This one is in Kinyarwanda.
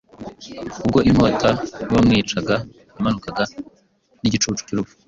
Ubwo inkota y’uwamwicaga yamanukaga n’igicucu cy’urupfu